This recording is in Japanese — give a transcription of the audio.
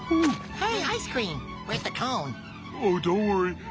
はい？